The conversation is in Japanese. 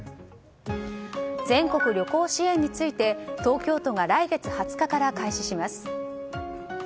全国旅行支援について東京都が来月２０日から開始します。